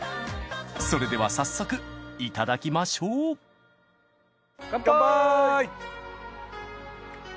それでは早速いただきましょう乾杯！